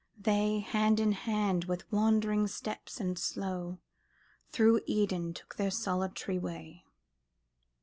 They, hand in hand, with wandering steps and slow, Through Eden took their solitary way.